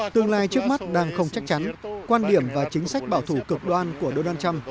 tương lai trước mắt đang không chắc chắn quan điểm và chính sách bảo thủ cực đoan của donald trump